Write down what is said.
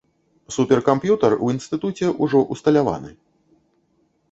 Суперкамп'ютар у інстытуце ўжо ўсталяваны.